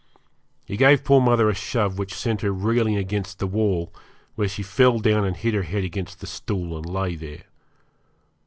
He gave poor mother a shove which sent her reeling against the wall, where she fell down and hit her head against the stool, and lay there.